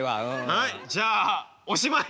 はいじゃあおしまい。